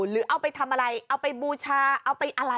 หรือเอาไปทำอะไรเอาไปบูชาเอาไปอะไร